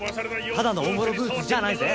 ただのおんぼろブーツじゃないぜ？